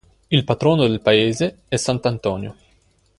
Il patrono del paese è Sant'Antonio.